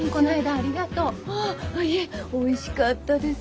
あっいいえおいしかったです。